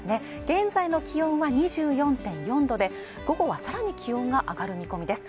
現在の気温は２４．４度で午後はさらに気温が上がる見込みです